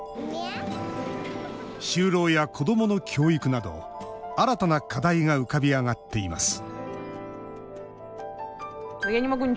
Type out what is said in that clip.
就労や子どもの教育など新たな課題が浮かび上がっています